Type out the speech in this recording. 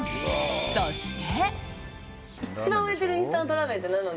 そして。